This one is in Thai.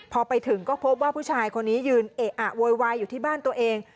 พอไปถึงก็พบว่าผู้ชายคนนี้ยืนเอะอะโวยวายอยู่ที่บ้านตัวเอง